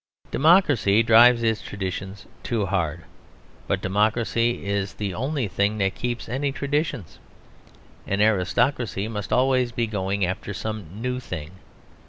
Democracy drives its traditions too hard; but democracy is the only thing that keeps any traditions. An aristocracy must always be going after some new thing.